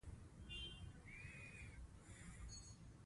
د سهار تر فرض لمانځه وروسته نصیحت ته اړم شو.